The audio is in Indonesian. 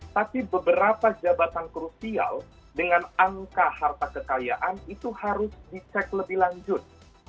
tapi beberapa jabatan krusial dengan angka harta kekayaan itu harus dicek lebih lanjut